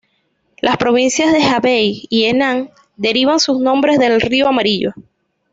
Las provincias de Hebei y Henan derivan sus nombres del río Amarillo.